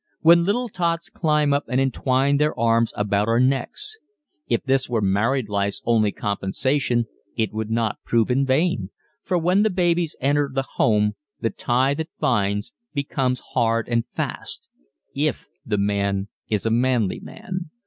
When little tots climb up and entwine their arms about our necks. If this were married life's only compensation it would not prove in vain for when the babies enter the home the tie that binds becomes hard and fast if the man is a manly man.